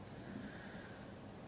nih makan dulu nih